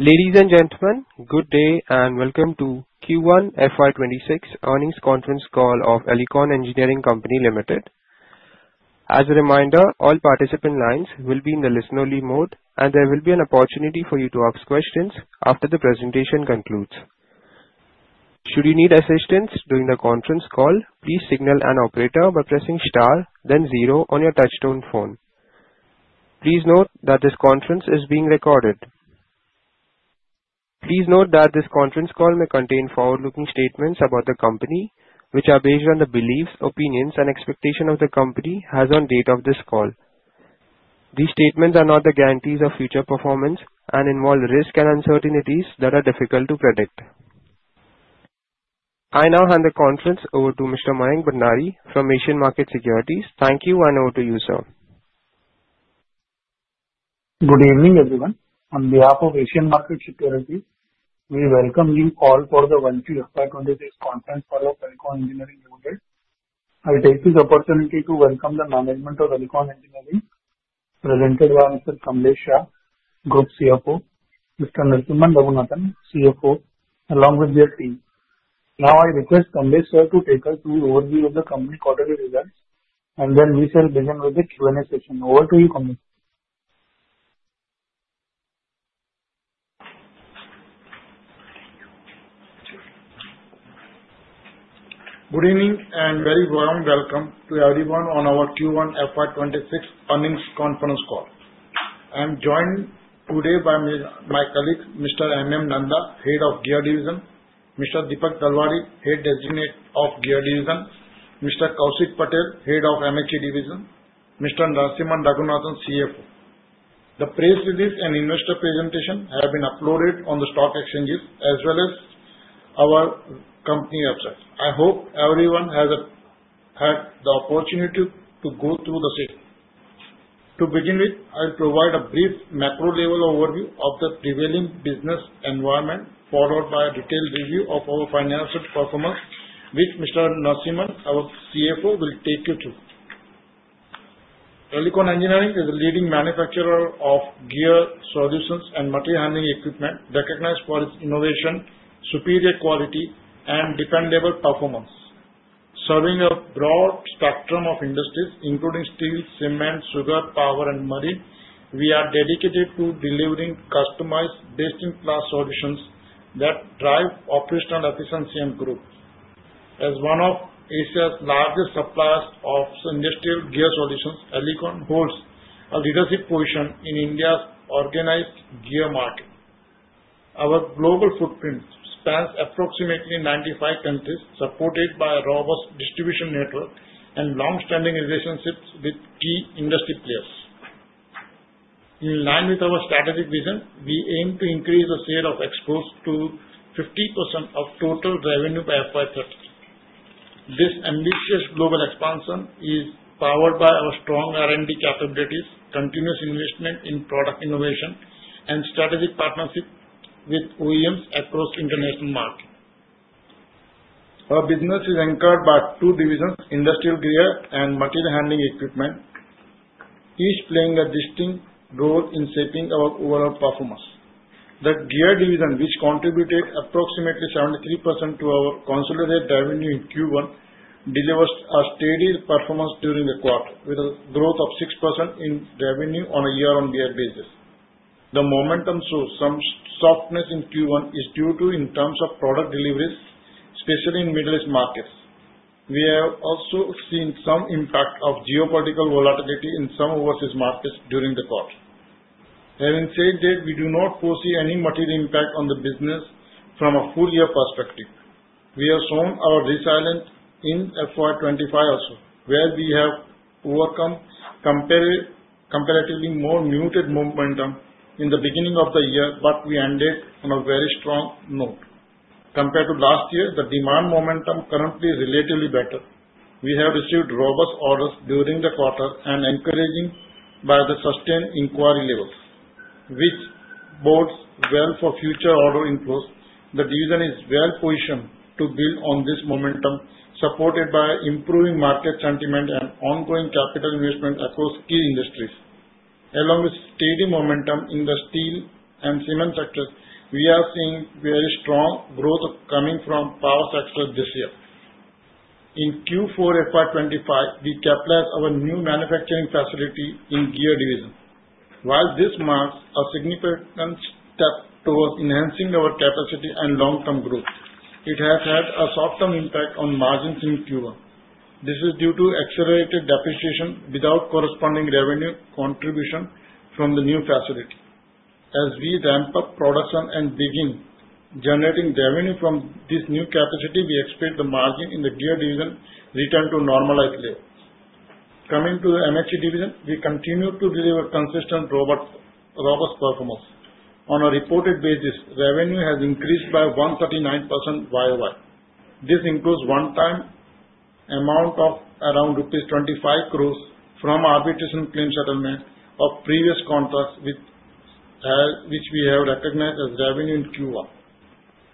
Ladies and gentlemen, good day and welcome to Q1 FY26 earnings conference call of Elecon Engineering Company Limited. As a reminder, all participant lines will be in the listener mode, and there will be an opportunity for you to ask questions after the presentation concludes. Should you need assistance during the conference call, please signal an operator by pressing star, then zero on your touchtone phone. Please note that this conference is being recorded. Please note that this conference call may contain forward-looking statements about the company, which are based on the beliefs, opinions, and expectations the company has on the date of this call. These statements are not the guarantees of future performance and involve risks and uncertainties that are difficult to predict. I now hand the conference over to Mr. Mayank Bhandari from Asian Market Securities. Thank you and over to you, sir. Good evening, everyone. On behalf of Asian Market Securities, we welcome you all for the 1Q FY26 conference call of Elecon Engineering. I take this opportunity to welcome the management of Elecon Engineering, presented by Mr. Kamlesh Shah, Group CFO, Mr. Narasimhan Raghunathan, CFO, along with their team. Now, I request Kamlesh Shah to take us through the overview of the company quarterly results, and then we shall begin with the Q&A session. Over to you, [Kamlesh]. Good evening and very warm welcome to everyone on our Q1 FY26 earnings conference call. I am joined today by my colleagues, Mr. M.M. Nanda, Head of Gear Division, Mr. Dipak Dalwadi, Gear Division Designate, Mr. Kaushik Patel, Head of MHE Division, and Mr. Narasimhan Raghunathan, CFO. The press release and investor presentation have been uploaded on the stock exchanges, as well as our company website. I hope everyone has had the opportunity to go through the session. To begin with, I will provide a brief macro-level overview of the prevailing business environment, followed by a detailed review of our financial performance, which Mr. Narkshiman, our CFO, will take you through. Elecon Engineering is a leading manufacturer of industrial gear solutions and material handling equipment, recognized for its innovation, superior quality, and dependable performance. Serving a broad spectrum of industries, including steel, cement, sugar, power, and marine, we are dedicated to delivering customized, best-in-class solutions that drive operational efficiency and growth. As one of Asia's largest suppliers of industrial gear solutions, Elecon holds a leadership position in India's organized gear market. Our global footprint spans approximately 95 countries, supported by a robust distribution network and long-standing relationships with key industry players. In line with our strategic vision, we aim to increase the sale of exports to 50% of total revenue by FY30. This ambitious global expansion is powered by our strong R&D capabilities, continuous investment in product innovation, and strategic partnerships with OEM partnerships across the international market. Our business is anchored by two divisions: industrial gears and material handling equipment, each playing a distinct role in shaping our overall performance. The Gear Division, which contributed approximately 73% to our consolidated revenues in Q1, delivers a steady performance during the quarter, with a growth of 6% in revenue on a year-on-year basis. The momentum shows some softness in Q1 is due to, in terms of product deliveries, especially in Middle East markets. We have also seen some impact of geopolitical volatility in some overseas markets during the quarter. Having said that, we do not foresee any material impact on the business from a full-year perspective. We have shown our resilience in FY25 also, where we have overcome comparatively more muted momentum in the beginning of the year, but we ended on a very strong note. Compared to last year, the demand momentum currently is relatively better. We have received robust orders during the quarter and are encouraged by the sustained inquiry levels, which bodes well for future ordering flows. The division is well-positioned to build on this momentum, supported by improving market sentiment and ongoing capital investment across key industries. Along with steady momentum in the steel and cement sectors, we are seeing very strong growth coming from the power sector this year. In Q4 FY25, we capitalized on a new manufacturing facility in the [Gear Division]. While this marks a significant step towards enhancing our capacity and long-term growth, it has had a short-term impact on margins in Q1. This is due to accelerated depreciation without corresponding revenue contribution from the new facility. As we ramp up production and begin generating revenue from this new capacity, we expect the margin in the Gear Division to return to normalized levels. Coming to the MHE Division, we continue to deliver consistent robust performance. On a reported basis, revenue has increased by 139% YoY. This includes a one-time amount of around rupees 250 crore from arbitration claim settlement of previous contracts, which we have recognized as revenue in Q1.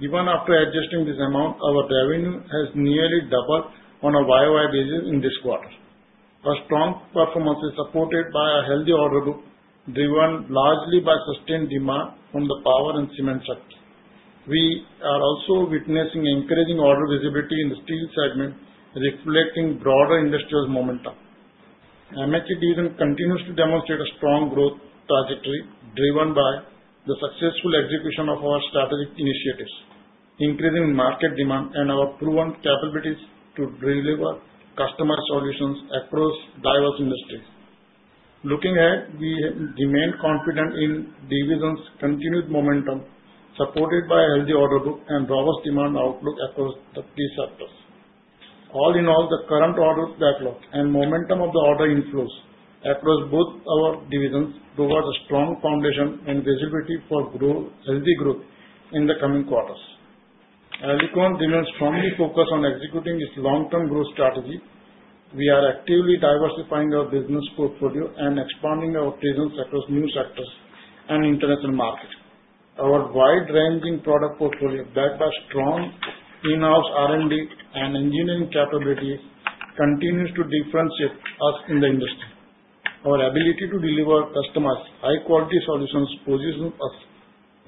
Even after adjusting this amount, our revenue has nearly doubled on a YoY basis in this quarter. Our strong performance is supported by a healthy order book, driven largely by sustained demand from the power and cement sectors. We are also witnessing an increasing order visibility in the steel segment, reflecting broader industrial momentum. MHE Division continues to demonstrate a strong growth trajectory, driven by the successful execution of our strategic initiatives, increasing market demand, and our proven capabilities to deliver customized solutions across diverse industries. Looking ahead, we remain confident in the division's continued momentum, supported by a healthy order book and robust demand outlook across these sectors. All in all, the current order backlog and momentum of the order inflows across both our divisions provide a strong foundation and visibility for healthy growth in the coming quarters. Elecon remains strongly focused on executing its long-term growth strategy. We are actively diversifying our business portfolio and expanding our presence across new sectors and international markets. Our wide-ranging product portfolio, backed by strong in-house R&D and engineering capabilities, continues to differentiate us in the industry. Our ability to deliver customized, high-quality solutions positions us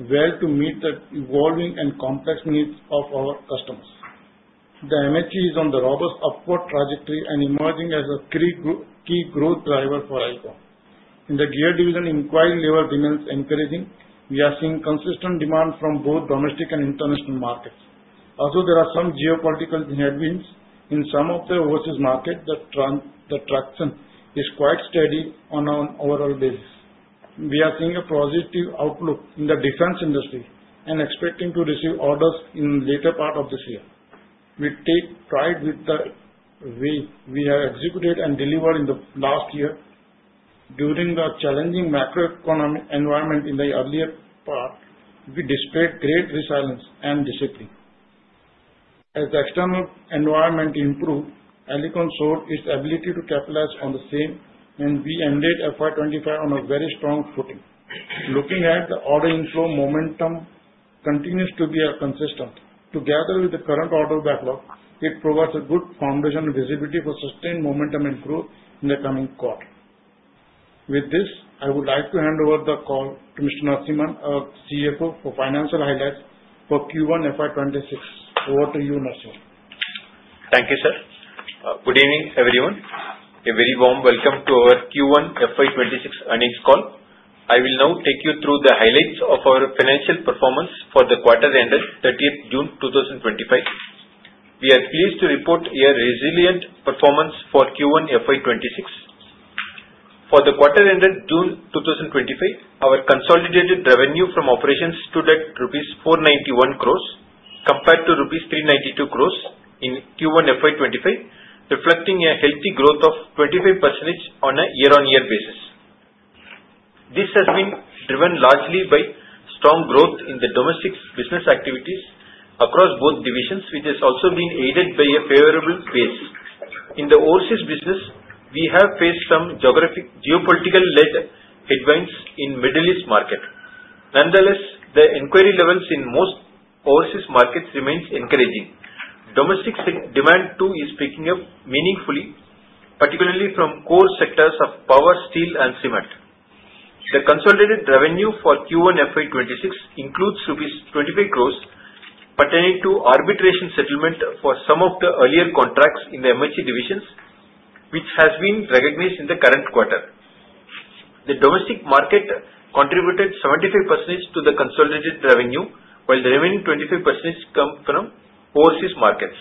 well to meet the evolving and complex needs of our customers. The MHE is on a robust upward trajectory and emerging as a key growth driver for Elecon. In the Gear Division, inquiry level remains encouraging. We are seeing consistent demand from both domestic and international markets. Although there are some geopolitical headwinds in some of the overseas markets, the traction is quite steady on an overall basis. We are seeing a positive outlook in the defense industry and expecting to receive orders in the later part of this year. We take pride in the way we have executed and delivered in the last year. During the challenging macroeconomic environment in the earlier part, we displayed great resilience and discipline. As the external environment improved, Elecon saw its ability to capitalize on the same, and we ended FY2025 on a very strong footing. Looking ahead, the order inflow momentum continues to be consistent. Together with the current order backlog, it provides a good foundation and visibility for sustained momentum and growth in the coming quarter. With this, I would like to hand over the call to Mr. Narasimhan, our CFO, for financial highlights for Q1 FY2026. Over to you, Narasimhan. Thank you, sir. Good evening, everyone. A very warm welcome to our Q1 FY26 earnings call. I will now take you through the highlights of our financial performance for the quarter ended 30th June, 2025. We are pleased to report a resilient performance for Q1 FY26. For the quarter ended June 2025, our consolidated revenue from operations stood at rupees 491 crore compared to rupees 392 crore in Q1 FY25, reflecting a healthy growth of 25% on a year-on-year basis. This has been driven largely by strong growth in the domestic business activities across both divisions, which has also been aided by a favorable pace. In the overseas business, we have faced some geopolitical-led headwinds in the Middle East market. Nonetheless, the inquiry levels in most overseas markets remain encouraging. Domestic demand, too, is picking up meaningfully, particularly from core sectors of power, steel, and cement. The consolidated revenue for Q1 FY26 includes rupees 25 crore pertaining to arbitration settlement for some of the earlier contracts in the MHE Division, which has been recognized in the current quarter. The domestic market contributed 75% to the consolidated revenue, while the remaining 25% comes from overseas markets.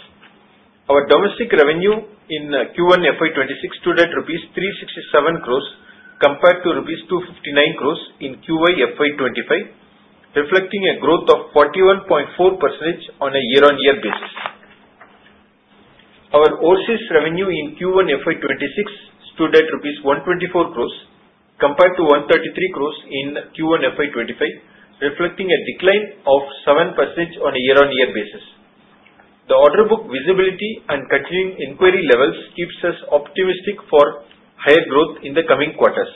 Our domestic revenue in Q1 FY26 stood at rupees 367 crors compared to rupees 259 crore in Q1 FY25, reflecting a growth of 41.4% on a year-on-year basis. Our overseas revenue in Q1 FY26 stood at rupees 124 crore compared to 133 crore in Q1 FY25, reflecting a decline of 7% on a year-on-year basis. The order book visibility and continuing inquiry levels keep us optimistic for higher growth in the coming quarters.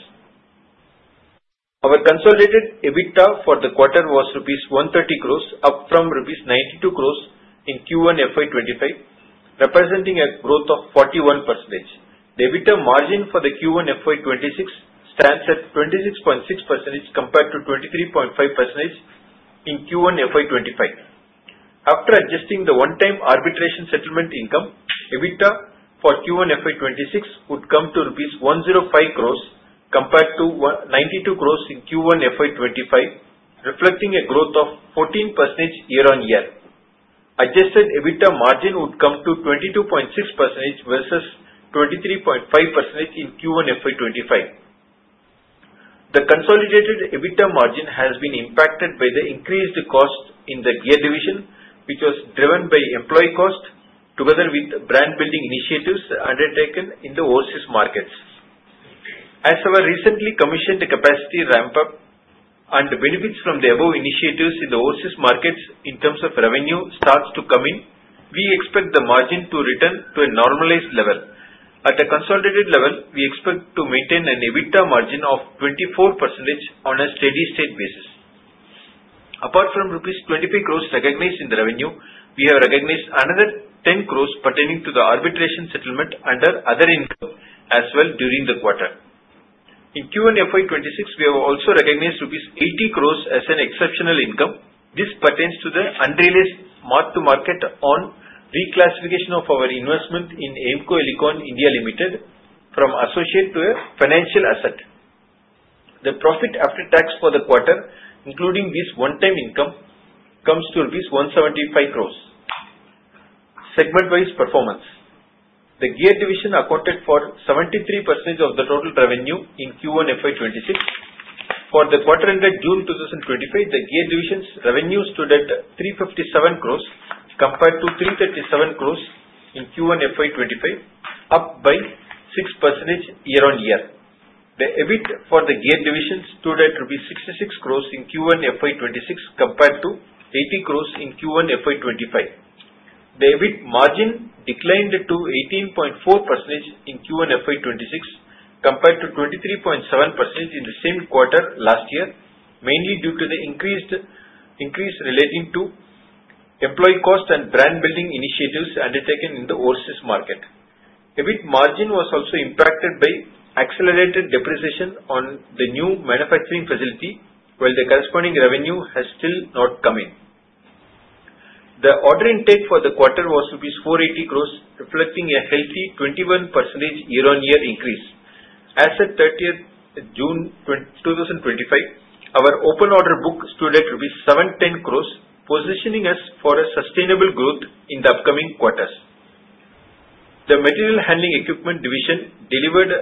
Our consolidated EBITDA for the quarter was rupees 130 crore, up from rupees 92 crore in Q1 FY25, representing a growth of 41%. The EBITDA margin for Q1 FY26 stands at 26.6% compared to 23.5% in Q1 FY25. After adjusting the one-time arbitration settlement income, EBITDA for Q1 FY26 would come to rupees 105 crore compared to 92 crore in Q1 FY25, reflecting a growth of 14% year-on-year. Adjusted EBITDA margin would come to 22.6% versus 23.5% in Q1 FY25. The consolidated EBITDA margin has been impacted by the increased costs in the Gear Division, which was driven by employee costs, together with brand-building initiatives undertaken in the overseas markets. As our recently commissioned capacity ramp-up and benefits from the above initiatives in the overseas markets in terms of revenue start to come in, we expect the margin to return to a normalized level. At a consolidated level, we expect to maintain an EBITDA margin of 24% on a steady state basis. Apart from rupees [23] crore recognized in the revenue, we have recognized another 10 crore pertaining to the arbitration settlement under other income as well during the quarter. In Q1 FY2026, we have also recognized rupees 80 crore as an exceptional income. This pertains to the unreleased mark-to-market on reclassification of our investment in Eimco Elecon (India) Ltd, from associate to a financial asset. The profit after tax for the quarter, including this one-time income, comes to rupees 175 crore. Segment-wise performance, the Gear Division accounted for 73% of the total revenue in Q1 FY2026. For the quarter ended June 2025, the gear division's revenue stood at 357 crore compared to 337 crore in Q1 FY2025, up by 6% year-on-year. The EBIT for the Gear Division stood at INR 66 crore in Q1 FY2026 compared to 80 crore in Q1 FY2025. The EBIT margin declined to 18.4% in Q1 FY2026 compared to 23.7% in the same quarter last year, mainly due to the increased increase relating to employee costs and brand-building initiatives undertaken in the overseas market. EBIT margin was also impacted by accelerated depreciation on the new manufacturing facility, while the corresponding revenue has still not come in. The order intake for the quarter was 480 crore, reflecting a healthy 21% year-on-year increase. As of 30th June 2025, our open order book stood at rupees 710 crore, positioning us for a sustainable growth in the upcoming quarters. The material handling equipment division delivered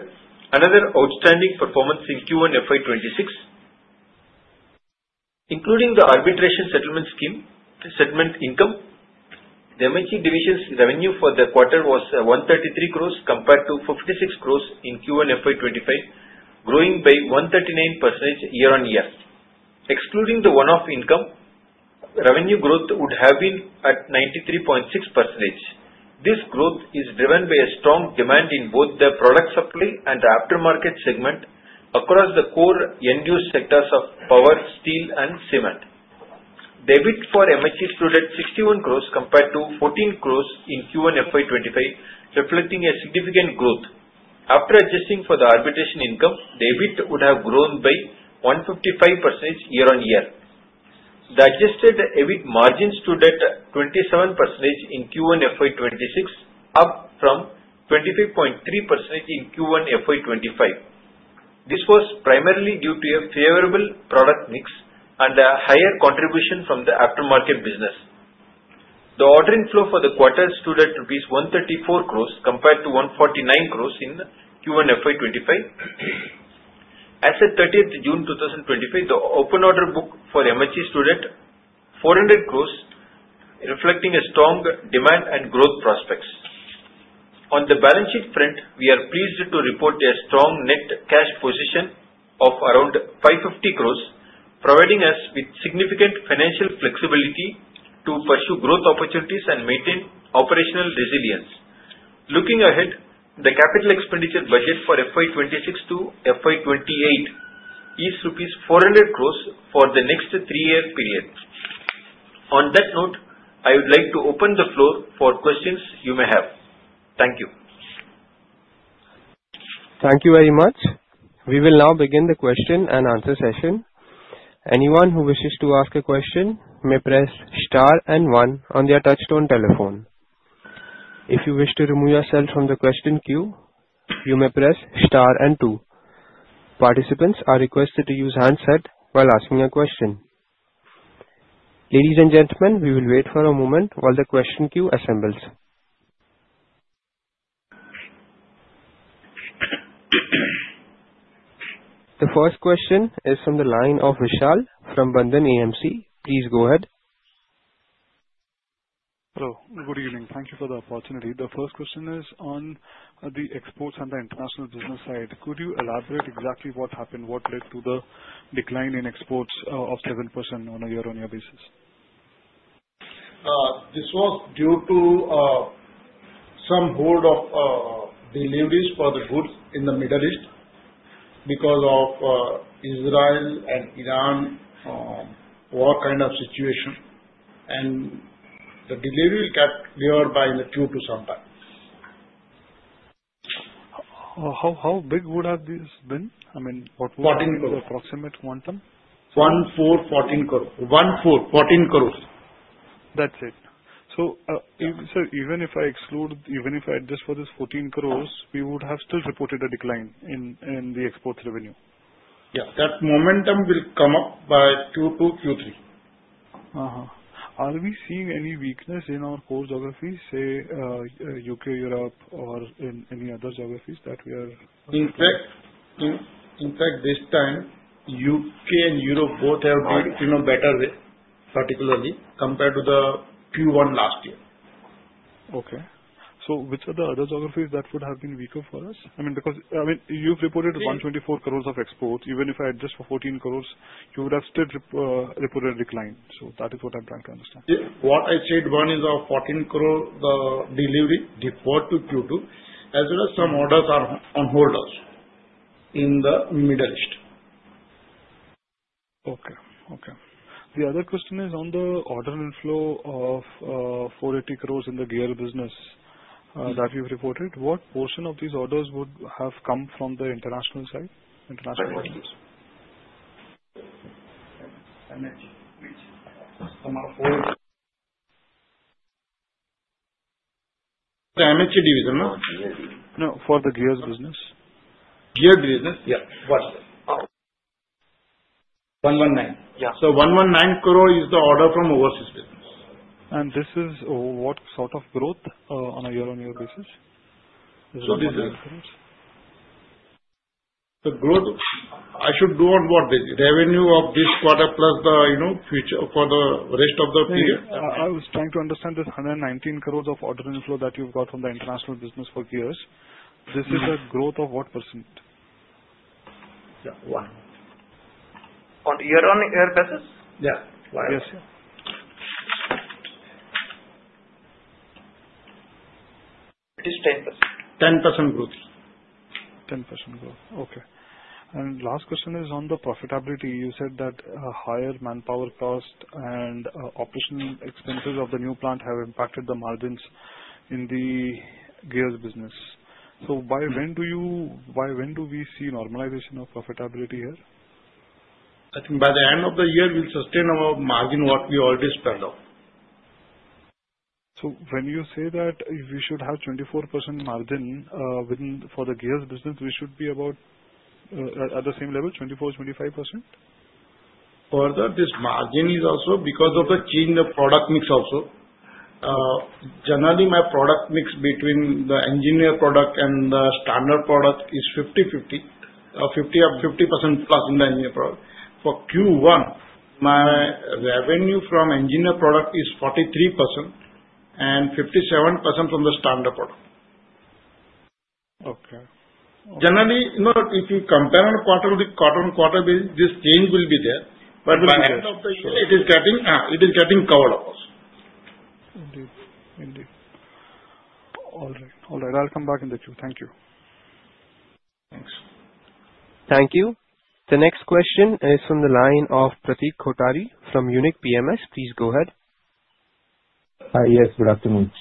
another outstanding performance in Q1 FY2026, including the arbitration settlement income. The MHE Division's revenue for the quarter was 133 crore compared to 56 crore in Q1 FY2025, growing by 139% year-on-year. Excluding the one-off income, revenue growth would have been at 93.6%. This growth is driven by a strong demand in both the product supply and the aftermarket segment across the core end-use sectors of power, steel, and cement. The EBIT for MHE stood at 61 crore compared to 14 crore in Q1 FY2025, reflecting a significant growth. After adjusting for the arbitration income, the EBIT would have grown by 155% year-on-year. The adjusted EBIT margin stood at 27% in Q1 FY2026, up from 25.3% in Q1 FY2025. This was primarily due to a favorable product mix and a higher contribution from the aftermarket business. The order inflow for the quarter stood at rupees 134 crore compared to 149 crore in Q1 FY25. As of 30th June 2025, the open order book for the MHE Division stood at 400 crore, reflecting strong demand and growth prospects. On the balance sheet front, we are pleased to report a strong net cash position of around 550 crores, providing us with significant financial flexibility to pursue growth opportunities and maintain operational resilience. Looking ahead, the capital expenditure budget for FY26 to FY28 is rupees 400 crores for the next three-year period. On that note, I would like to open the floor for questions you may have. Thank you. Thank you very much. We will now begin the question and answer session. Anyone who wishes to ask a question may press star and one on their touchtone telephone. If you wish to remove yourself from the question queue, you may press star and two. Participants are requested to use handset while asking a question. Ladies and gentlemen, we will wait for a moment while the question queue assembles. The first question is from the line of Vishal from Bandhan AMC. Please go ahead. Hello. Good evening. Thank you for the opportunity. The first question is on the exports and the international business side. Could you elaborate exactly what happened? What led to the decline in exports of 7% on a year-on-year basis? This was due to some hold of deliveries for the goods in the Middle East because of Israel and Iran war kind of situation, and the delivery will get cleared by in the queue to sometime. How big would have this been? I mean, what would be the approximate quantum? 1/4, INR 14 crore. That's it. Even if I exclude, even if I adjust for this 14 crore, we would have still reported a decline in the exports revenue. Yeah, that momentum will come up by Q2, Q3. Are we seeing any weakness in our core geographies, say U.K., Europe, or in any other geographies that we are? In fact, this time, U.K. and Europe both have been in a better way, particularly compared to Q1 last year. Okay. Which are the other geographies that would have been weaker for us? I mean, because you've reported 124 crore of exports. Even if I adjust for 14 crore, you would have still reported a decline. That is what I'm trying to understand. What I said, one is our 14 crore delivery deferred to Q2, as well as some orders are on hold in the Middle East. Okay. The other question is on the order inflow of 480 crore in the gear business that you've reported. What portion of these orders would have come from the international side? MHE? No, for the gear business. Gear business? Yeah. What? 119. Yeah. 119 crore is the order from overseas business. What sort of growth on a year-on-year basis? The growth, I should do on what? The revenue of this quarter plus the future for the rest of the period? I was trying to understand this 119 crore of order inflow that you've got from the international business for gears. This is a growth of what percent? Yeah, what, on year-on-year basis? Yeah. Yes, it is 10%. 10% growth. 10% growth. Okay. Last question is on the profitability. You said that higher manpower costs and operational expenses of the new plant have impacted the margins in the gear business. By when do we see normalization of profitability here? I think by the end of the year, we'll sustain our margin, what we already spent on. When you say that we should have 24% margin within for the gear business, we should be about at the same level, 24, 25%? Further, this margin is also because of the change in the product mix also. Generally, my product mix between the engineered product and the standard product is 50/50, 50% plus in the engineered product. For Q1, my revenue from engineered product is 43% and 57% from the standard product. Okay. Generally, you know, if you compare on a quarter-to-quarter, on quarter basis, this change will be there. By the end of the year. It is getting covered up. Indeed. All right. I'll come back in the queue. Thank you. Thanks. Thank you. The next question is from the line of Pratik Kothari from Unique PMS. Please go ahead. Yes. Good afternoon.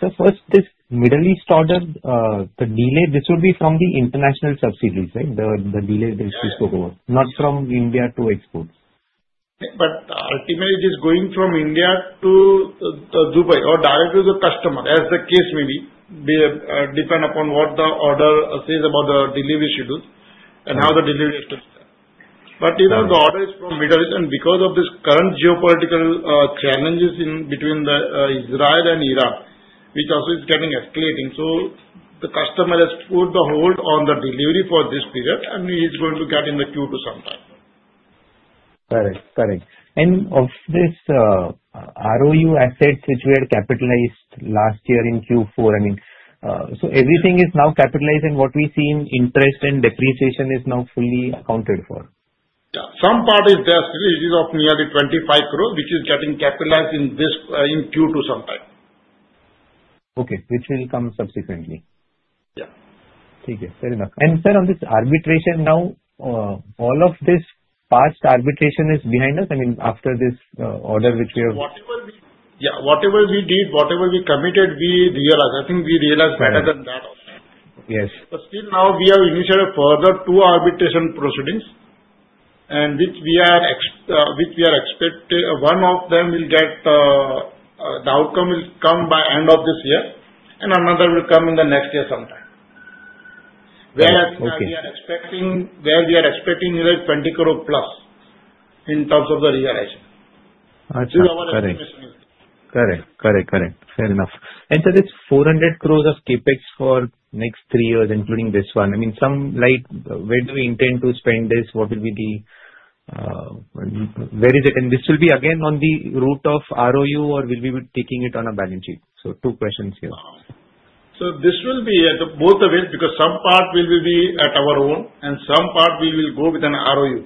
This Middle East order, the delay, this would be from the international subsidiaries, right? The delay that you spoke about, not from India to exports. Ultimately, it is going from India to Dubai or direct to the customer, as the case may be, depending upon what the order says about the delivery schedules and how the delivery is to be done. The order is from Middle East, and because of this current geopolitical challenges in between Israel and Iran, which also is getting escalating, the customer has put the hold on the delivery for this period, and he is going to get in the queue to sometime. Got it. Of this ROU assets which we had capitalized last year in Q4, everything is now capitalized, and what we see in interest and depreciation is now fully accounted for. Yeah, some part is there. It is of nearly 25 crore, which is getting capitalized in this in Q2 sometime. Okay, which will come subsequently. Yeah. Fair enough. Sir, on this arbitration, now all of this past arbitration is behind us? I mean, after this order which we have. Yeah. Whatever we did, whatever we committed, we realized. I think we realized better than that. Yes. We have initiated further two arbitration proceedings, and we are expecting one of them will get the outcome by the end of this year, and another will come in the next year sometime. Okay. We are expecting a 20 crore plus in terms of the realization. Got it. Fair enough. Sir, it's 400 crore of capex for the next three years, including this one. I mean, some light, where do we intend to spend this? What will be the, where is it? This will be again on the route of ROU, or will we be taking it on a balance sheet? Two questions here. This will be at both the ways because some part will be at our own, and some part we will go with an ROU,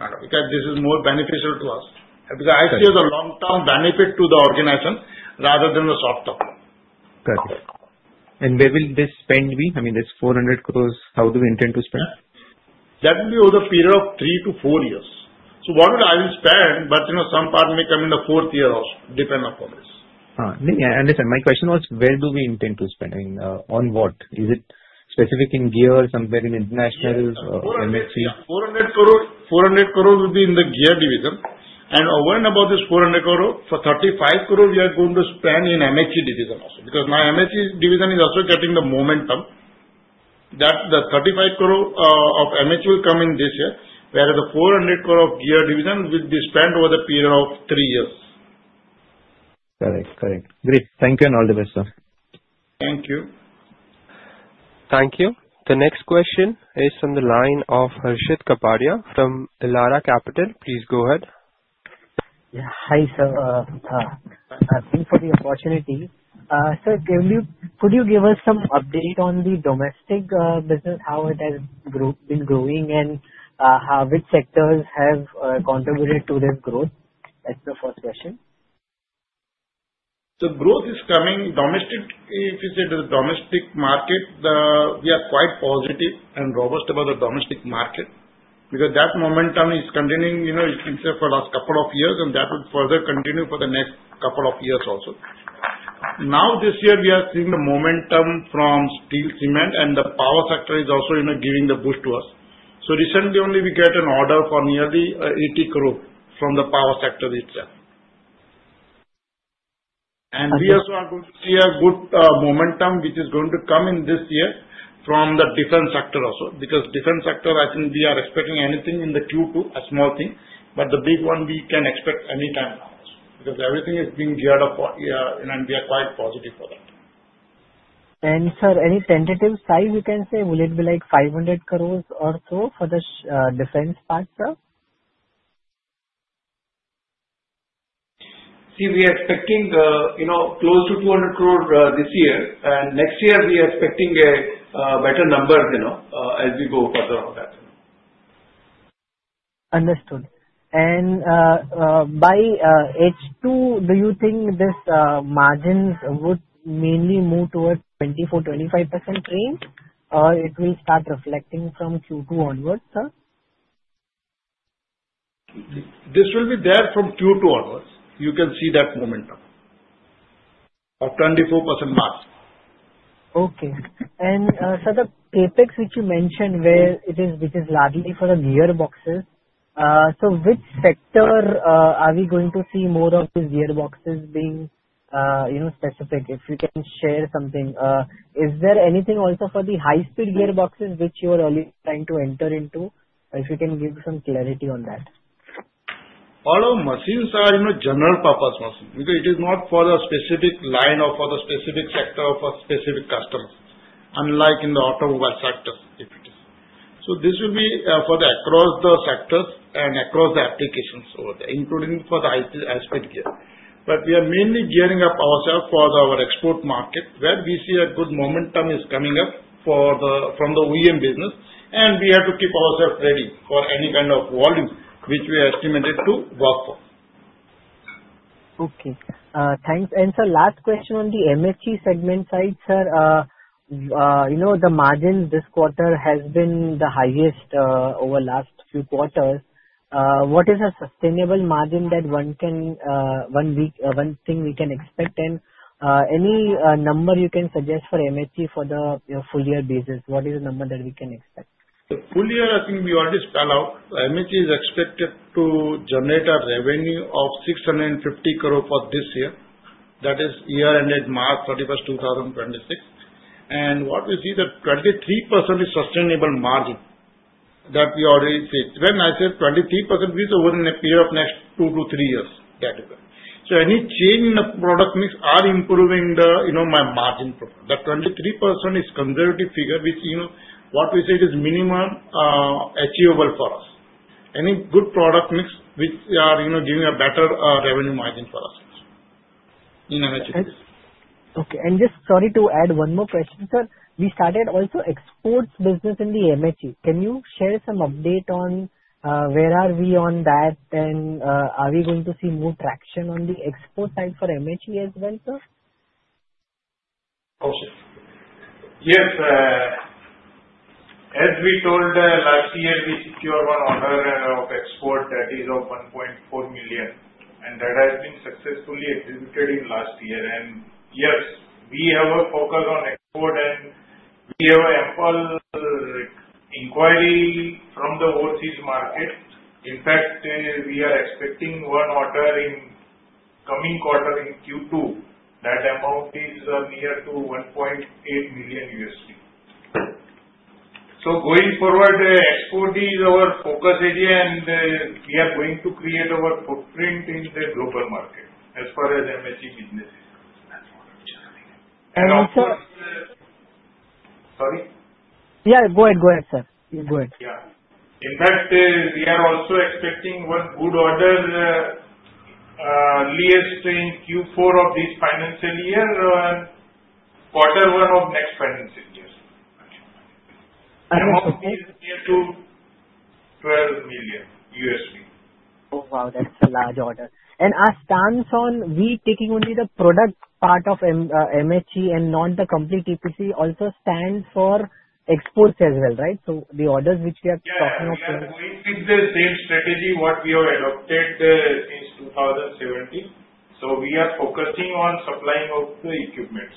kind of because this is more beneficial to us. I see as a long-term benefit to the organization rather than the short term. Got it. Where will this spend be? I mean, this 400 crore, how do we intend to spend? That will be over a period of three to four years. What I will spend, some part may come in the fourth year or depend upon this. I understand. My question was, where do we intend to spend? I mean, on what? Is it specific in gear or somewhere in international? 400 crore would be in the Gear Division. Over and above this 400 crore, 35 crore we are going to spend in the MHE Division also because now the MHE Division is also getting the momentum. The 35 crore of MHE will come in this year, whereas the 400 crore of Gear Division will be spent over the period of three years. Got it. Got it. Great. Thank you and all the best, sir. Thank you. Thank you. The next question is from the line of Harshit Kapadia from Elara Capital. Please go ahead. Hi, sir. Thank you for the opportunity. Sir, could you give us some update on the domestic business, how it has been growing, and which sectors have contributed to this growth? That's the first question. The growth is coming. If you say the domestic market, we are quite positive and robust about the domestic market because that momentum is continuing, you know, it's for the last couple of years, and that will further continue for the next couple of years also. This year, we are seeing the momentum from steel, cement, and the power sector is also giving the boost to us. Recently, only we got an order for nearly 80 crore from the power sector itself. We also are going to see a good momentum, which is going to come in this year from the defense sector also because defense sector, I think we are expecting anything in the queue to a small thing, but the big one we can expect anytime now because everything is being geared up for, and we are quite positive for that. Sir, any tentative size we can say? Will it be like 500 crore or so for the defense part, sir? See, we are expecting, you know, close to 200 crore this year, and next year, we are expecting a better number, you know, as we go further on that. Understood. By H2, do you think these margins would mainly move towards the 24%-25% range, or will it start reflecting from Q2 onwards, sir? This will be there from Q2 onwards. You can see that momentum of 24% mark. Okay. Sir, the CapEx which you mentioned, which is largely for the gearboxes, which sector are we going to see more of these gearboxes being specific? If you can share something, is there anything also for the high-speed gearboxes which you are already trying to enter into? If you can give some clarity on that. All our machines are general purpose machines because it is not for the specific line or for the specific sector or for specific customers, unlike in the automobile sector, if it is. This will be for across the sectors and across the applications over there, including for the high-speed gear. We are mainly gearing up ourselves for our export market where we see a good momentum is coming up from the OEM business, and we have to keep ourselves ready for any kind of volume which we are estimated to work for. Okay. Thanks. Sir, last question on the MHE side. You know the margin this quarter has been the highest over the last few quarters. What is a sustainable margin that one can expect? Any number you can suggest for MHE for the full-year basis? What is the number that we can expect? The full year, I think we already spelled out. MHE is expected to generate a revenue of 650 crore for this year, that is year ended March 31st, 2026. What we see is that 23% is sustainable margin that we already see. When I say 23%, we are over in a period of next two to three years. Any change in the product mix are improving the, you know, my margin profile. The 23% is a conservative figure, which you know what we say is minimum achievable for us. Any good product mix which are giving a better revenue margin for us in MHE. Okay. Sorry to add one more question, sir. We started also exports business in the MHE. Can you share some update on where are we on that? Are we going to see more traction on the export side for MHE as well, sir? Oh, sure. Yes. As we told last year, we secured one order of export that is $1.4 million, and that has been successfully executed in last year. Yes, we have a focus on export, and we have an ample inquiry from the overseas market. In fact, we are expecting one order in the coming quarter in Q2. That amount is near to $1.8 million. Going forward, export is our focus area, and we are going to create our footprint in the global market as far as MHE business. And sir. Sorry? Go ahead, sir. Go ahead. Yeah, in fact, we are also expecting one good order at least in Q4 of this financial year and quarter one of next financial year. Okay. One of these is near to $12 million. Oh, wow. That's a large order. Our stance on we taking only the product part of MHE and not the complete EPC also stands for exports as well, right? The orders which we are talking of. Yeah. We are going with the same strategy we have adopted since 2017. We are focusing on supplying the equipment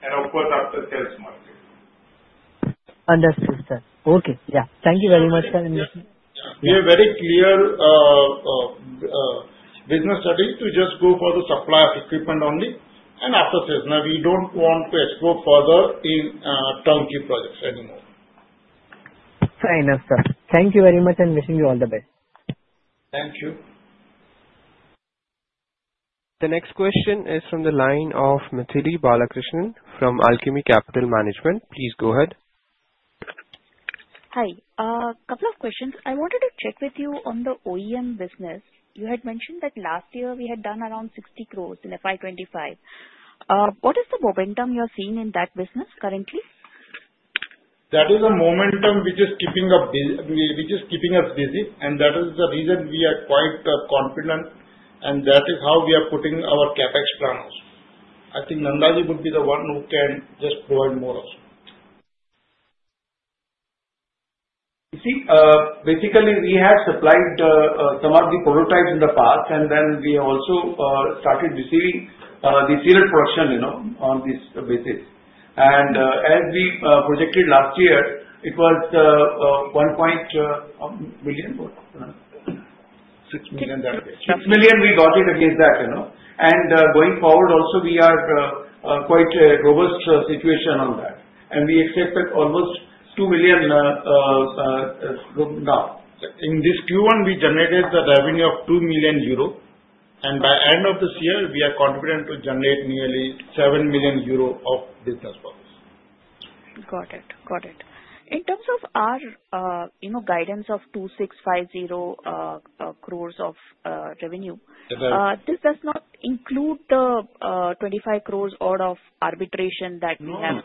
and, of course, after sales market. Understood, sir. Okay. Thank you very much, sir. We are very clear business strategy to just go for the supply of equipment only and after sales. Now, we don't want to explore further in turnkey projects anymore. Fair enough, sir. Thank you very much, and wishing you all the best. Thank you. The next question is from the line of Mythili Balakrishnan from Alchemy Capital Management. Please go ahead. Hi. A couple of questions. I wanted to check with you on the OEM partnerships. You had mentioned that last year we had done around 60 crore in FY2025. What is the momentum you are seeing in that business currently? That is a momentum which is keeping us busy, and that is the reason we are quite confident, and that is how we are putting our CapEx plan out. I think Nandaji would be the one who can just provide more also. You see, basically, we have supplied some of the prototypes in the past, and then we also started receiving the serial production on this basis. As we projected last year, it was 1.6 million that way. 6 million, we got it against that. You know, going forward also, we are quite a robust situation on that. We expect almost 2 million now. In this Q1, we generated the revenue of 2 million euro, and by the end of this year, we are confident to generate nearly 7 million euro of business profits. Got it. Got it. In terms of our guidance of 2,650 crore of revenue, this does not include the 25 crore odd of arbitration settlement that we have.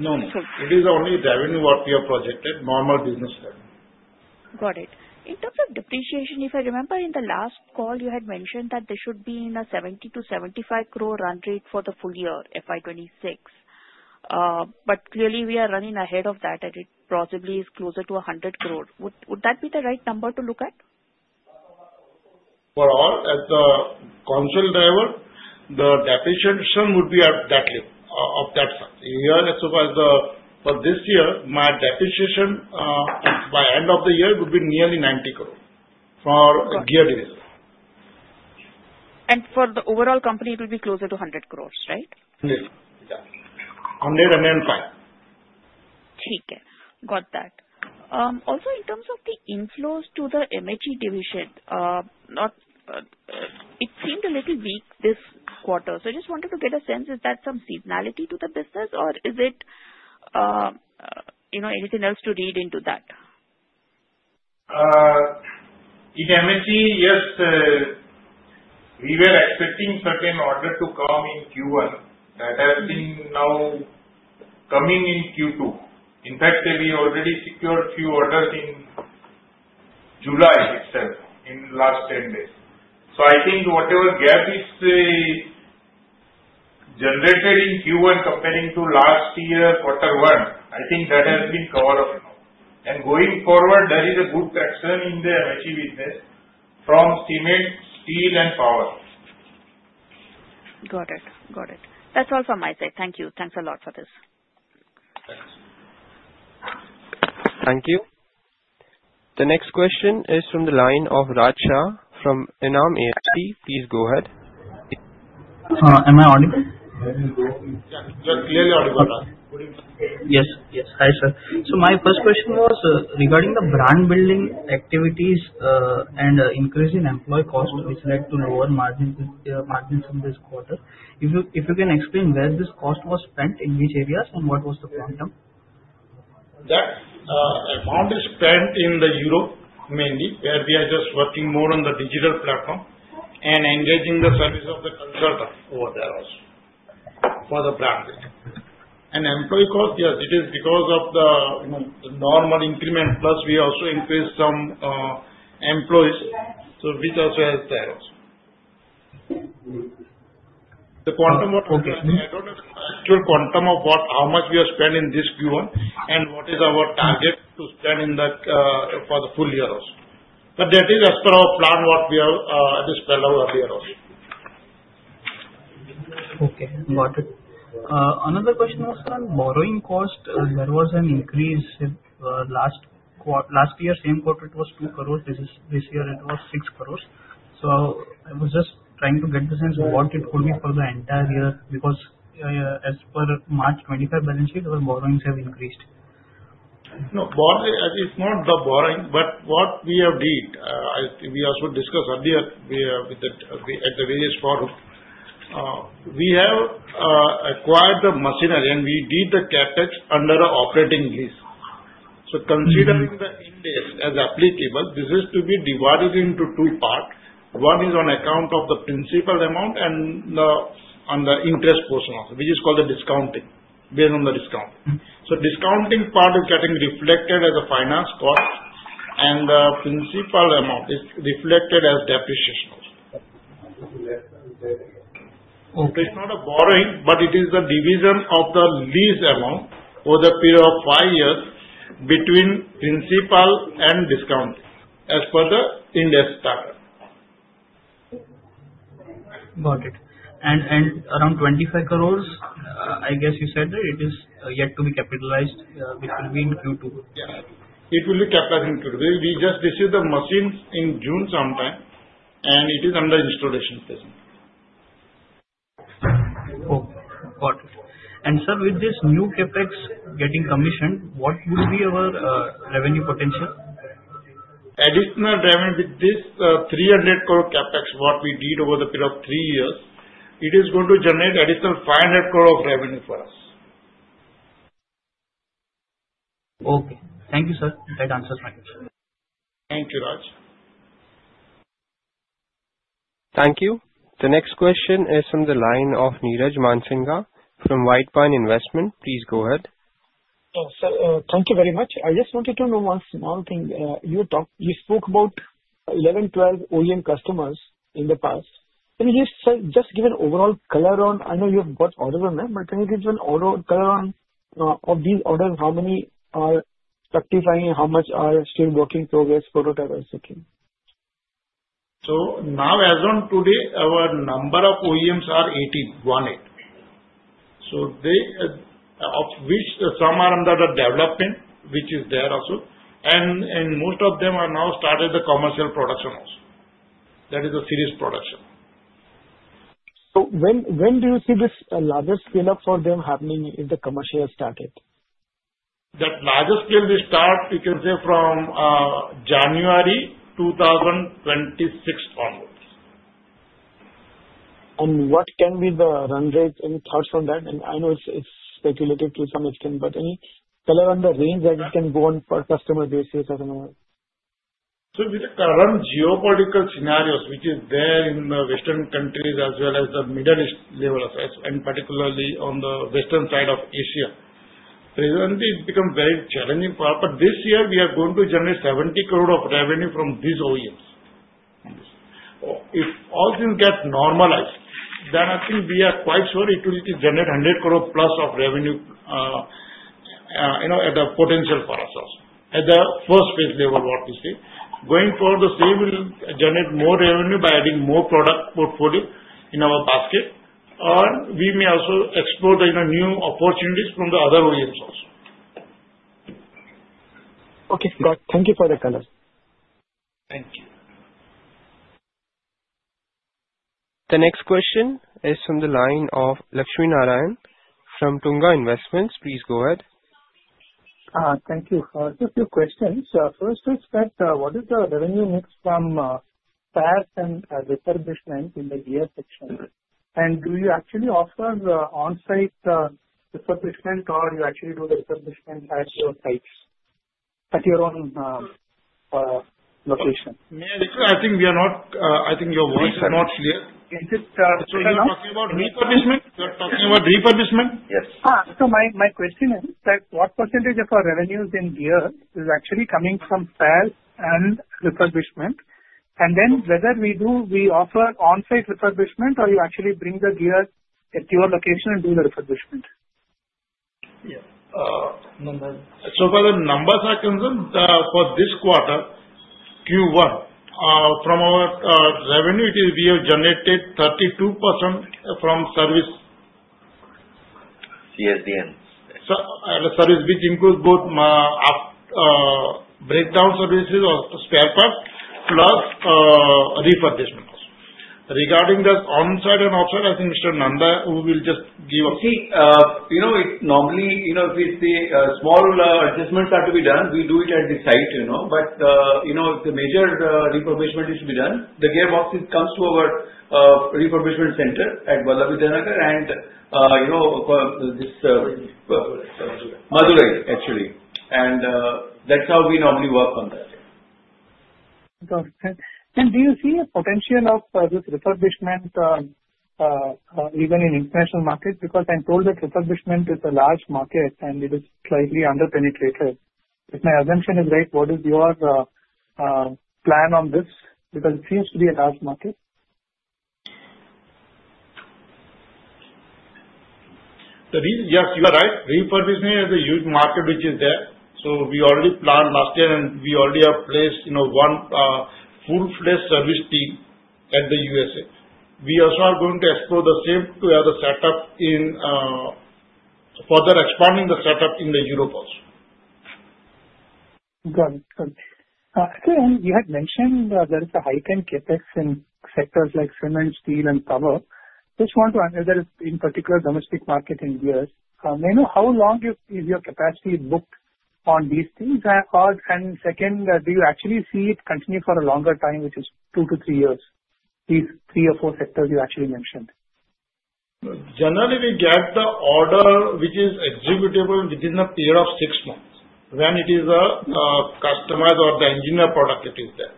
No, no. It is only revenue, what we have projected, normal business revenue. Got it. In terms of depreciation, if I remember, in the last call, you had mentioned that there should be in a 70-75 crore run rate for the full year, FY 2026. Clearly, we are running ahead of that, and it possibly is closer to 100 crore. Would that be the right number to look at? For all, as a control driver, the depreciation would be at that level of that size. For this year, my depreciation, by the end of the year, would be nearly 90 crore for Gear Division. For the overall company, it will be closer to 100 crore, right? Yeah, yeah. 100 and then [five]. Okay. Got that. Also, in terms of the inflows to the MHE Division, it seemed a little weak this quarter. I just wanted to get a sense. Is that some seasonality to the business, or is it anything else to read into that? the MHE, yes, we were expecting certain orders to come in Q1. That has been now coming in Q2. In fact, we already secured a few orders in July itself in the last 10 days. I think whatever gap is generated in Q1 comparing to last year, quarter one, I think that has been covered up now. Going forward, there is a good traction in the MHE business from cement, steel, and power. Got it. Got it. That's all from my side. Thank you. Thanks a lot for this. Thanks. Thank you. The next question is from the line of Raj Shah from Enam AFC. Please go ahead. Am I audible? Yes. Yes. Hi, sir. My first question was regarding the brand-building activities and the increase in employee cost, which led to lower margins in this quarter. If you can explain where this cost was spent, in which areas, and what was the quantum? That amount is spent in Europe mainly, where we are just working more on the digital platform and engaging the service of the consultant over there also for the branding. Employee cost, yes, it is because of the normal increment. Plus, we also increased some employees, which also helps there also. The quantum was, I don't have actual quantum of how much we are spending in this Q1 and what is our target to spend for the full year also. That is as per our plan, what we have spelled out earlier also. Okay. Got it. Another question was on borrowing cost. There was an increase last year. Last year, same quarter, it was 2 crore. This year, it was 6 crore. I was just trying to get the sense of what it would be for the entire year because as per March 2025 balance sheet, our borrowings have increased. No, it's not the borrowing, but what we have did, as we also discussed earlier at the various forums, we have acquired the machinery, and we did the CapEx under the operating lease. Considering the index as applicable, this is to be divided into two parts. One is on account of the principal amount and the interest portion also, which is called the discounting, based on the discount. Discounting part is getting reflected as a finance cost, and the principal amount is reflected as depreciation also. It's not a borrowing, but it is the division of the lease amount over the period of five years between principal and discounting as per the index standard. Got it. Around 25 crore, I guess you said that it is yet to be capitalized, which will be in Q2. Yeah. It will be capitalized in Q2. We just received the machines in June sometime, and it is under installation phase. Got it. Sir, with this new CapEx getting commissioned, what will be our revenue potential? Additional revenue with this 300 crore CapEx, what we did over the period of three years, it is going to generate additional 500 crore of revenue for us. Okay. Thank you, sir. That answers my question. Thank you, Raj. Thank you. The next question is from the line of Niraj Mansinga from White Pine Investment. Please go ahead. Thank you very much. I just wanted to know one small thing. You talked, you spoke about 11, 12 OEM customers in the past. Can you just give an overall color on? I know you have bought orders on them, but can you give an overall color on these orders? How many are rectifying? How much are still working progress prototypes are seeking? As on today, our number of OEMs are 18, [one eight]. Of which some are under the development, which is there also. Most of them have now started the commercial production also. That is the series production. When do you see this larger scale-up for them happening if the commercial has started? That larger scale will start, you can say, from January 2026 onwards. What can be the run rate? Any thoughts from that? I know it's speculative to some extent, but any color on the range that it can go on per customer basis? I don't know. With the current geopolitical scenarios, which is there in the Western countries as well as the Middle East level as well, and particularly on the western side of Asia, presently, it becomes very challenging for us. This year, we are going to generate 70 crore of revenue from these OEMs. If all things get normalized, then I think we are quite sure it will generate 100 crore plus of revenue at the potential for us also, at the first phase level, what we say. Going forward, the same will generate more revenue by adding more product portfolio in our basket, and we may also explore the new opportunities from the other OEMs also. Okay, got it. Thank you for the color. Thank you. The next question is from the line of Lakshminarayan from Tunga Investments. Please go ahead. Thank you. Just a few questions. First is that what is the revenue mix from the past and refurbishment in the gear section? Do you actually offer on-site refurbishment, or do you actually do the refurbishment at your sites at your own location? I think your voice is not clear. Okay, can you just tell us? You're talking about refurbishment? You're talking about refurbishment? Yes. My question is, what percentages of our revenues in gear is actually coming from sales and refurbishment? Do we offer on-site refurbishment, or do you actually bring the gear to your location and do the refurbishment? Yeah. As far as the numbers are concerned, for this quarter, Q1, from our revenue, we have generated 32% from service. CSDM. Service, which includes both breakdown services or spare parts plus refurbishment also. Regarding the on-site and off-site, I think Mr. Nanda, who will just give. See, normally, if we say small adjustments are to be done, we do it at the site. If the major refurbishment is to be done, the gearboxes come to our refurbishment center at Vallabh Vidyanagar in Madurai, actually. That's how we normally work on that. Got it. Do you see a potential of this refurbishment even in international markets? I'm told that refurbishment is a large market, and it is slightly underpenetrated. If my assumption is right, what is your plan on this? It seems to be a large market. Yes, you are right. Refurbishment is a huge market which is there. We already planned last year, and we already have placed one full-fledged service team at the U.S.A. We also are going to explore the same setup in further expanding the setup in Europe also. Got it. Got it. You had mentioned there is a heightened CapEx in sectors like cement, steel, and power. Just want to understand, in particular, domestic market in gears. How long is your capacity booked on these things? Do you actually see it continue for a longer time, which is two to three years, these three or four sectors you actually mentioned? Generally, we get the order which is executable within a period of six months when it is a customized or the engineered product that is there.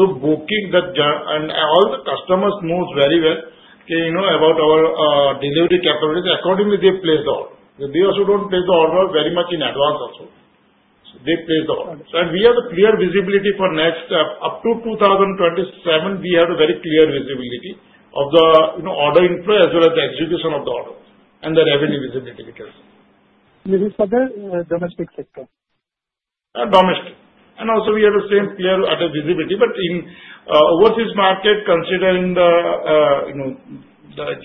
Booking the order, all the customers know very well about our delivery capabilities. Accordingly, they place the order. We also don't place the order very much in advance. They place the order, and we have a clear visibility for next up to 2027. We have a very clear visibility of the order in play as well as the execution of the order and the revenue visibility because of that. For the domestic sector? Domestic. We have the same clear visibility. In overseas market, considering the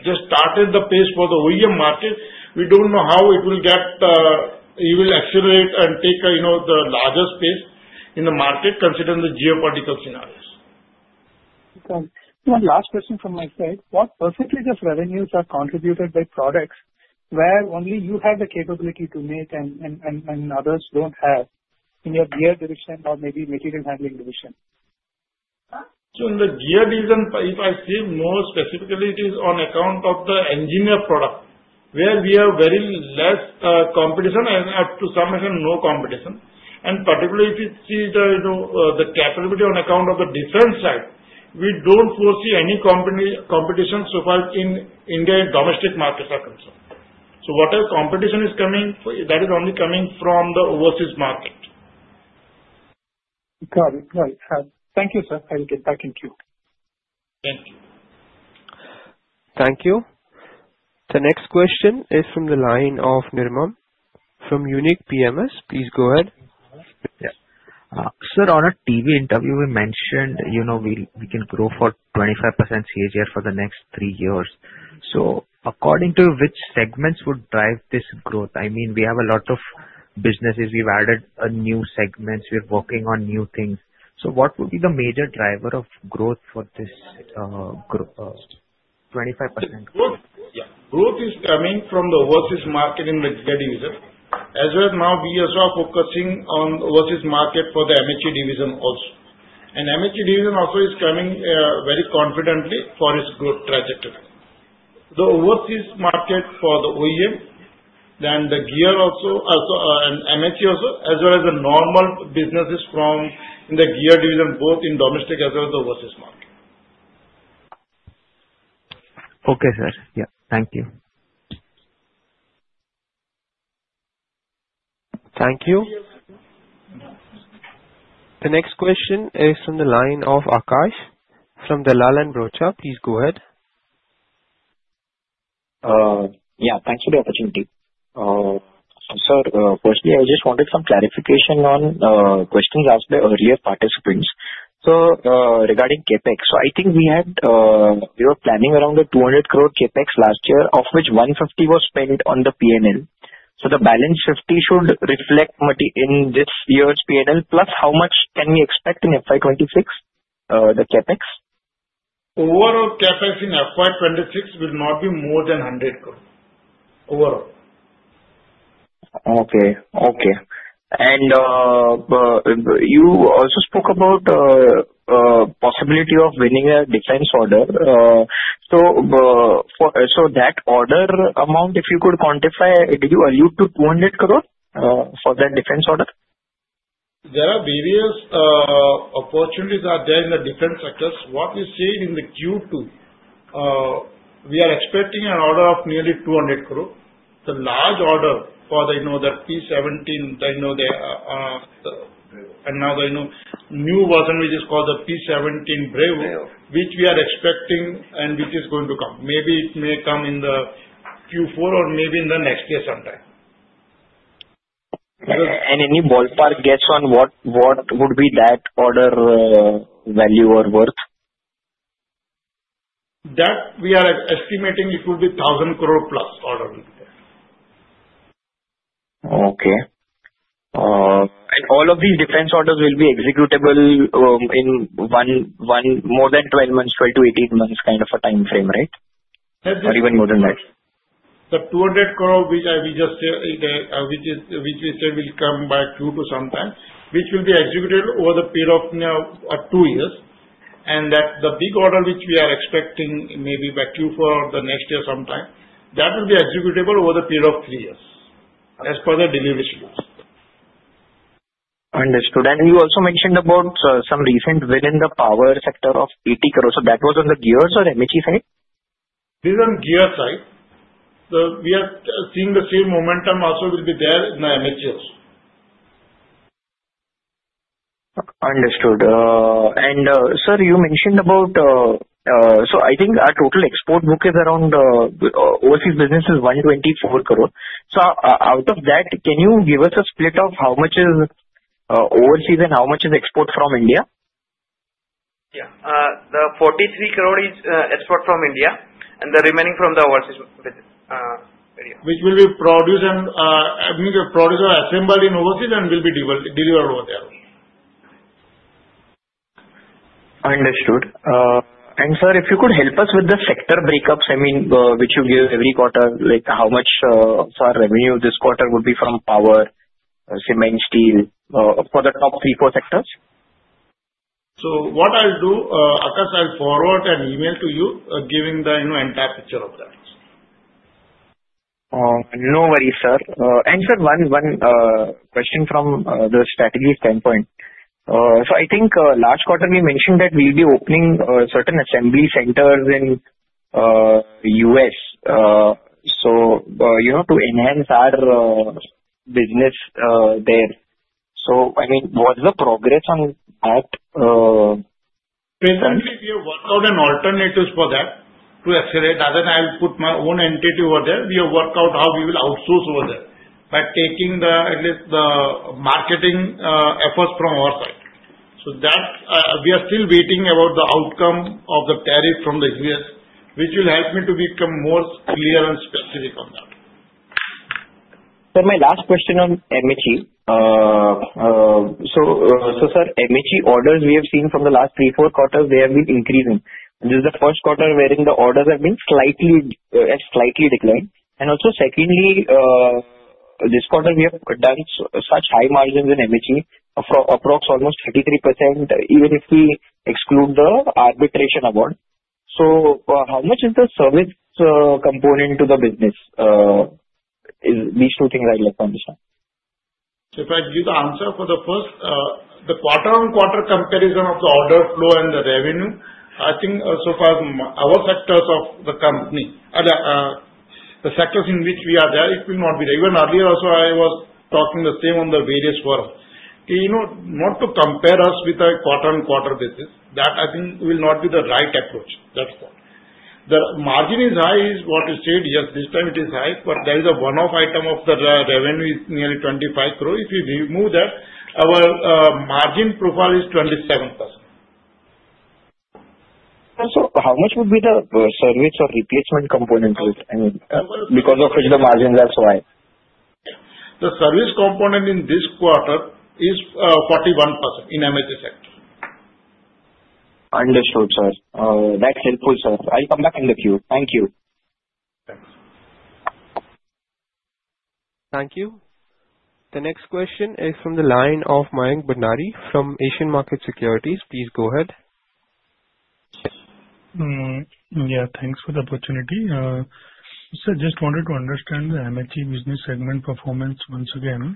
just started the pace for the OEM market, we don't know how it will get, it will accelerate and take the largest pace in the market considering the geopolitical scenarios. Got it. Last question from my side. What percentage of revenues are contributed by products where only you have the capability to make and others don't have in your gear division or maybe material handling division? In the Gear Division, if I see more specifically, it is on account of the engineered product where we have very less competition and up to some extent, no competition. Particularly, if you see the capability on account of the defense side, we don't foresee any competition so far in India and domestic markets are concerned. Whatever competition is coming, that is only coming from the overseas market. Got it. Thank you, sir. I will get back in queue. Thank you. Thank you. The next question is from the line of Nirmam from Unique PMS. Please go ahead. Yeah. Sir, on a TV interview, we mentioned you know we can grow for 25% CAGR for the next three years. According to which segments would drive this growth? I mean, we have a lot of businesses. We've added new segments. We're working on new things. What would be the major driver of growth for this 25%? Growth is coming from the overseas market in the gear division. We are also focusing on the overseas market for the MHE division. The MHE division is coming very confidently for its growth trajectory. The overseas market for the OEM, then the gear also, and MHE also, as well as the normal businesses from the gear division, both in domestic as well as the overseas market. Okay, sir. Thank you. Thank you. The next question is from the line of Akash from Dalal and Broacha. Please go ahead. Yeah, thanks for the opportunity. Sir, firstly, I just wanted some clarification on questions asked by earlier participants. Regarding CapEx, I think we were planning around 200 crore capex last year, of which 150 crore was spent on the P&L. The balance 50 crore should reflect in this year's P&L. Plus, how much can we expect in FY2026, the CapEx? Overall, CapEx in FY2026 will not be more than 100 crore overall. Okay. You also spoke about the possibility of winning a defense order. That order amount, if you could quantify, did you allude to 200 crore for that defense order? There are various opportunities that are there in the defense sectors. What we're seeing in the Q2, we are expecting an order of nearly 200 crore. The large order for the P17, the, you know, and now the new version, which is called the P17 Bravo, which we are expecting and which is going to come. Maybe it may come in the Q4 or maybe in the next year sometime. have any ballpark guess on what would be that order value or worth? We are estimating it would be 1,000 crore plus order will be there. Okay. All of these defense orders will be executable in more than 12 months, 12 to 18 months kind of a time frame, right? That is. Or even more than that? The 200 crore, which I just said, which is which we say will come by Q2 sometime, which will be executed over the period of two years. The big order which we are expecting may be by Q4 or the next year sometime, that will be executable over the period of three years as per the delivery schedules. Understood. You also mentioned about some recent win in the power sector of 80 crore. That was on the gear or MHE side? This is on gear side. We are seeing the same momentum also will be there in the MHE also. Understood. Sir, you mentioned about, I think our total export book is around 124 crore. Out of that, can you give us a split of how much is overseas and how much is export from India? Yeah. The 43 crore is export from India, and the remaining from the overseas business area. Which will be produced or assembled in overseas and will be delivered over there. Understood. Sir, if you could help us with the sector breakups, I mean, which you give every quarter, like how much of revenue this quarter would be from power, cement, steel for the top three, four sectors? I'll forward an email to you, Akash, giving the entire picture of that. No worries, sir. One question from the strategy standpoint. I think last quarter we mentioned that we'll be opening certain assembly centers in the U.S. to enhance our business there. What is the progress on that? Presently, we have worked out an alternative for that to accelerate. Otherwise, I'll put my own entity over there. We have worked out how we will outsource over there by taking at least the marketing efforts from our side, so that we are still waiting about the outcome of the tariff from the U.S., which will help me to become more clear and specific on that. My last question on MHE. Sir, MHE orders we have seen from the last three or four quarters, they have been increasing. This is the first quarter wherein the orders have slightly declined. Also, this quarter we have done such high margins in MHE, approximately almost 33%, even if we exclude the arbitration award. How much is the service component to the business? These two things I'd like to understand. If I give the answer for the first, the quarter-on-quarter comparison of the order flow and the revenue, I think so far our sectors of the company, the sectors in which we are there, it will not be there. Even earlier also, I was talking the same on the various forums. Not to compare us with a quarter-on-quarter basis. That I think will not be the right approach. That's why. The margin is high, is what you said. Yes, this time it is high, but that is a one-off item of the revenue. It's nearly 250 crore. If we remove that, our margin profile is 27%. Sir, how much would be the service or replacement component to it? I mean, because of which the margins, that's why. The service component in this quarter is 41% in MHE division. Understood, sir. That's helpful, sir. I'll come back in the queue. Thank you. Thanks. Thank you. The next question is from the line of Mayank Bhandari from Asian Market Securities. Please go ahead. Thank you for the opportunity. Sir, just wanted to understand the MHE business segment performance once again.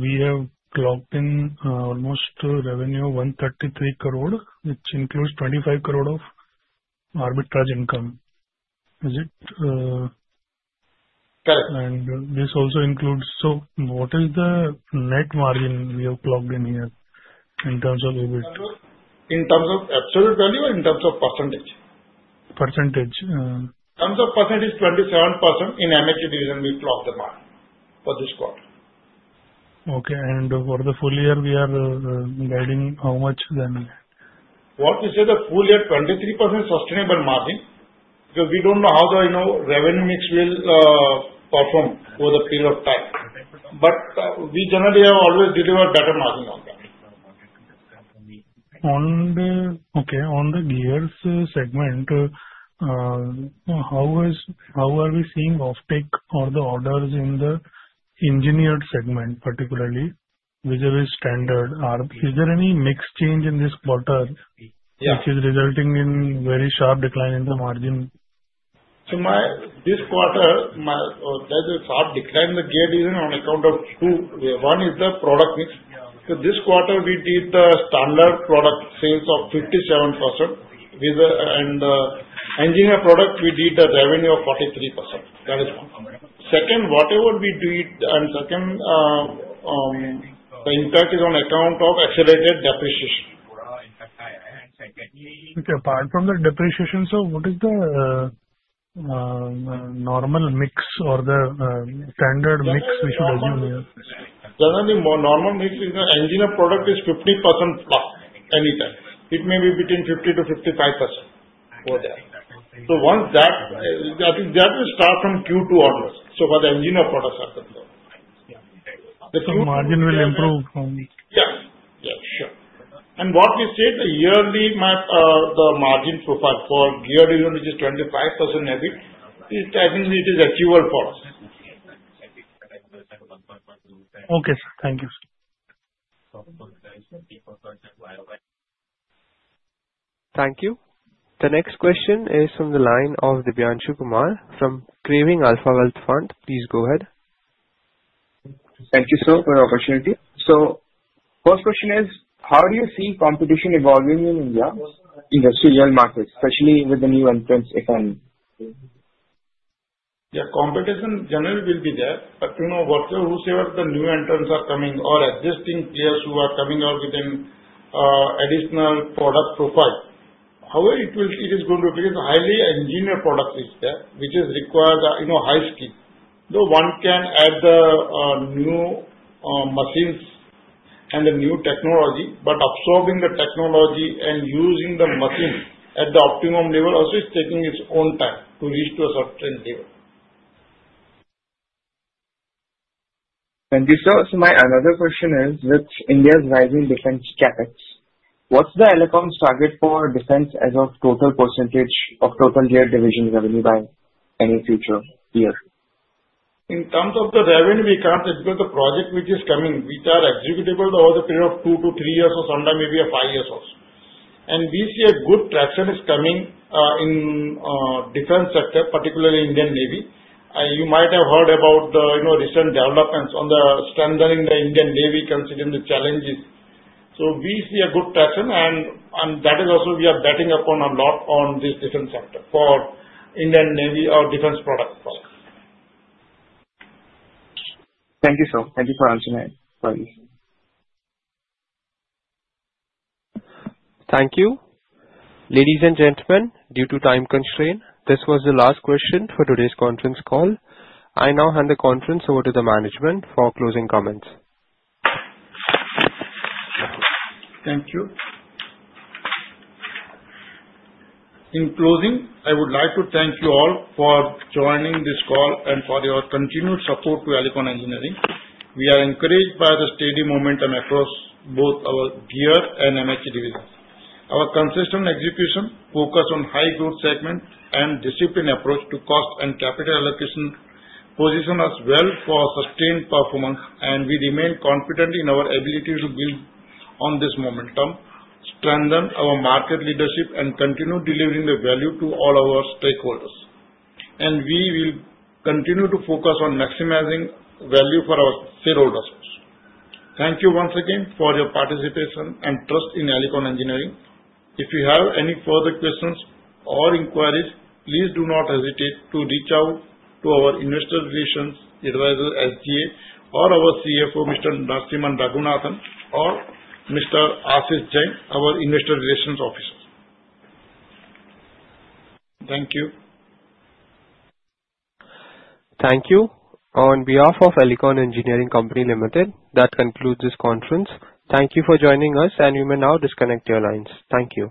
We have clocked in almost revenue of 133 crore, which includes 25 crore of arbitration income. Is it? Correct. What is the net margin we have clocked in here in terms of EBIT? In terms of absolute value or in terms of percentage? Percentage. In terms of percentage, 27% in MHE Division we clocked the margin for this quarter. Okay. For the full year, we are guiding how much revenue? What we say, the full year, 23% sustainable margin, because we don't know how the revenue mix will perform over the period of time. We generally have always delivered better margin on that. Okay. On the gears segment, how are we seeing offtake or the orders in the engineered segment, particularly vis-à-vis standard? Is there any mix change in this quarter which is resulting in a very sharp decline in the margin? This quarter, there's a sharp decline in the Gear Division on account of two. One is the product mix. This quarter, we did the standard product sales of 57%, and the engineered product, we did a revenue of 43%. That is one. Second, the impact is on account of accelerated depreciation. Okay. Apart from the depreciation, sir, what is the normal mix or the standard mix we should assume here? Generally, normal mix is the engineered product is 50%+ anytime. It may be between 50%-55% over there. Once that, I think that will start from Q2 orders. For the engineered products at the floor. The margin will improve from? Yeah, sure. What we say, the yearly margin profile for Gear Division, which is 25%, I think it is achievable for us. Okay, sir. Thank you. Thank you. The next question is from the line of Dibyansu Kumar from Craving Alpha Wealth Fund. Please go ahead. Thank you, sir, for the opportunity. My first question is, how do you see competition evolving in India's industrial markets, especially with the new entrants? Yeah. Competition generally will be there, but you know, whatever, whosoever the new entrants are coming or existing players who are coming out with an additional product profile, however, it is going to be highly engineered products which is required, you know, high skill. Though one can add the new machines and the new technology, absorbing the technology and using the machine at the optimum level also is taking its own time to reach to a certain level. Thank you, sir. My another question is, with India's rising defense CapEx, what's Elecon's target for defense as a percentage of total Gear Division revenue by any future year? In terms of the revenue, we can't execute the project which is coming, which are executable over the period of two to three years or sometimes maybe five years also. We see a good traction is coming in the defense sector, particularly Indian Navy. You might have heard about the recent developments on strengthening the Indian Navy considering the challenges. We see a good traction, and that is also we are betting upon a lot on this defense sector for Indian Navy or defense products. Thank you, sir. Thank you for answering my queries. Thank you. Ladies and gentlemen, due to time constraint, this was the last question for today's conference call. I now hand the conference over to the management for closing comments. Thank you. In closing, I would like to thank you all for joining this call and for your continued support to Elecon Engineering. We are encouraged by the steady momentum across both our Gear and MHE Divisions. Our consistent execution focused on high growth segment and disciplined approach to cost and capital allocation position us well for sustained performance, and we remain confident in our ability to build on this momentum, strengthen our market leadership, and continue delivering the value to all our stakeholders. We will continue to focus on maximizing value for our shareholders. Thank you once again for your participation and trust in Elecon Engineering. If you have any further questions or inquiries, please do not hesitate to reach out to our investor relations advisor SGA or our CFO, Mr. Narasimhan Raghunathan, or Mr. Ashish Jain, our Investor Relations Officer. Thank you. Thank you. On behalf of Elecon Engineering Company Limited, that concludes this conference. Thank you for joining us, and we may now disconnect your lines. Thank you.